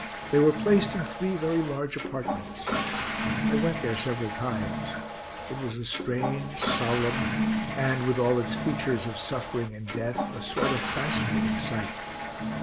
They were placed in three very large apartments. I went there several times. It was a strange, solemn, and, with all its features of suffering and death, a sort of fascinating sight.